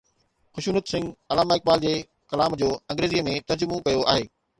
خشونت سنگهه علامه اقبال جي ڪلام جو انگريزيءَ ۾ ترجمو ڪيو آهي.